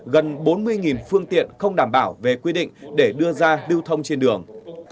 gần bốn mươi phương tiện không đảm bảo về quy định để đưa ra lưu thông trên đường